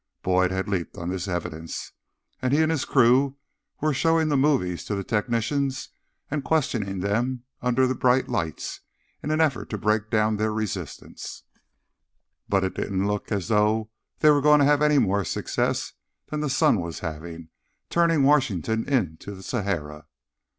Boyd had leaped on this evidence, and he and his crew were showing the movies to the technicians and questioning them under bright lights in an effort to break down their resistance. But it didn't look as though they were going to have any more success than the sun was having, turning Washington into the Sahara.